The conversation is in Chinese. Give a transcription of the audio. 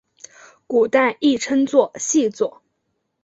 古代亦称作细作。